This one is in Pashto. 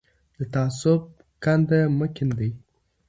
د تعصب کنده مه کیندئ.